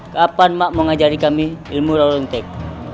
kapan mak mau ngajari kami ilmu lorong tek